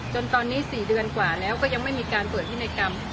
จนตอนนี้๔เดือนกว่าแล้วก็ยังไม่มีการตรวจพินัยกรรม